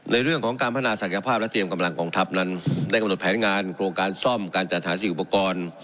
ในเรื่องของการพัฒนาศักยภาพและเตรียมกำลังกองทัพนั้นได้กำหนดแผนงานโครงการซ่อมการจัดหาสิ่งอุปกรณ์